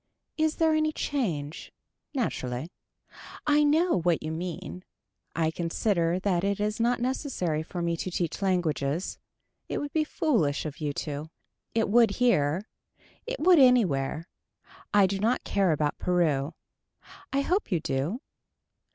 Is there any change. Naturally. I know what you mean. I consider that it is not necessary for me to teach languages. It would be foolish of you to. It would here. It would anywhere. I do not care about Peru. I hope you do.